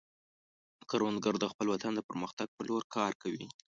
کروندګر د خپل وطن د پرمختګ په لور کار کوي